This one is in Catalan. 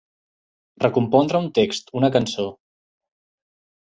Recompondre un text, una cançó.